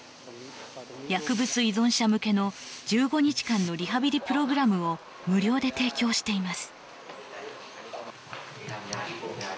薬物依存者向けの１５日間のリハビリプログラムを無料で提供しています。